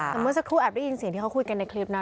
แต่เมื่อสักครู่แอบได้ยินเสียงที่เขาคุยกันในคลิปนะ